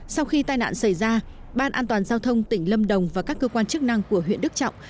sau khi tai nạn xảy ra ban an toàn giao thông tỉnh lâm đồng và các cơ quan chức năng của huyện đức trọng